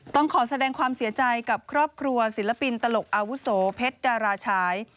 ต้องขอแสดงความเสียใจกับครอบครัวศิลปินตลกอาวุโสเพชรดาราชาย